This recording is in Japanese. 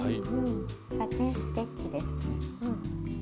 「サテン・ステッチ」です。